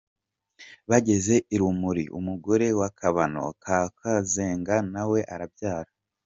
Bageze i Rumuli, umugore wa Kabano ka Kazenga na we arabyara.